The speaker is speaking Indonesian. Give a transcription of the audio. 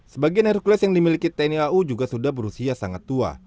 sebagian hercules yang dimiliki tni au juga sudah berusia sangat tua